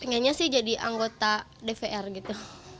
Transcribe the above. pengennya sih jadi anggota dpr gitu